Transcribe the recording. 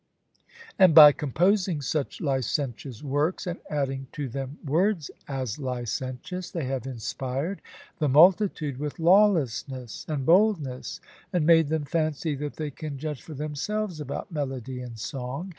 And by composing such licentious works, and adding to them words as licentious, they have inspired the multitude with lawlessness and boldness, and made them fancy that they can judge for themselves about melody and song.